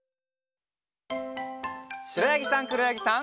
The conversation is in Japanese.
しろやぎさんくろやぎさん。